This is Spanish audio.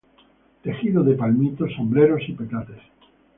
Tejido de palmito: sombreros y petates.